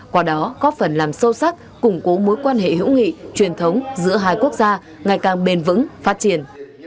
qua đó có phần làm sâu sắc củng cố mối quan hệ hữu nghị truyền thống giữa hai quốc gia ngày càng bền vững phát triển